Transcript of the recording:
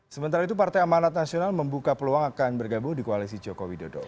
sementara itu partai amanat nasional membuka peluang akan bergabung di koalisi jokowi dodo